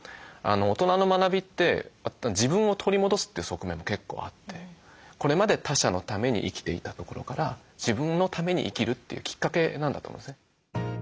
大人の学びって自分を取り戻すという側面も結構あってこれまで他者のために生きていたところから自分のために生きるというきっかけなんだと思うんですね。